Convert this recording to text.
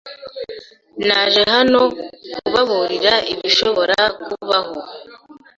Naje hano kubaburira ibishobora kubaho.